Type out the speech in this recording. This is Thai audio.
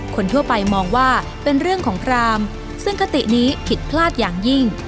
คนทั่วไปมองว่าเป็นเรื่องของพรามซึ่งคตินี้ผิดพลาดอย่างยิ่ง